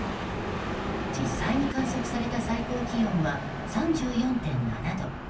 実際に観測された最高気温は３４．７度。